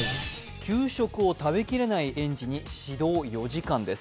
給食を食べきれない園児に指導４時間です。